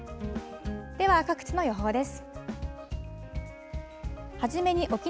では、各地の予報です。